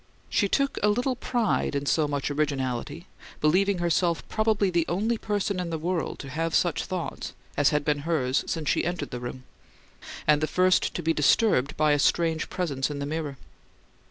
She took a little pride in so much originality, believing herself probably the only person in the world to have such thoughts as had been hers since she entered the room, and the first to be disturbed by a strange presence in the mirror.